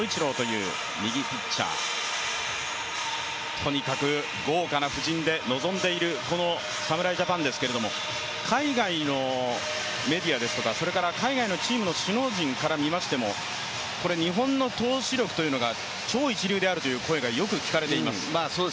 とにかく豪華な布陣で臨んでいる侍ジャパンですけども、海外のメディアですとか、海外のチームの首脳陣から見ましても日本の投手力というのが超一流であるという声がよく聞かれています。